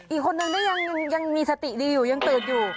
อีกคนนึงนี่ยังมีสติดีอยู่ยังตื่นอยู่